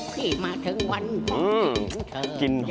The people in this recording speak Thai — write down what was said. พี่มาทั้งวันของจริงเคิ่ม